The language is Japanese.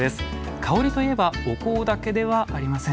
香りといえばお香だけではありません。